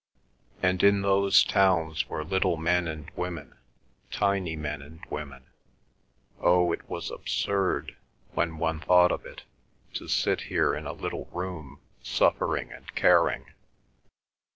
And in those towns were little men and women, tiny men and women. Oh, it was absurd, when one thought of it, to sit here in a little room suffering and caring.